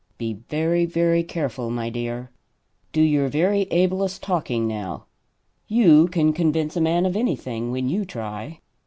Be very, very careful, my dear. Do your very ablest talking, now. You can convince a man of anything, when you try.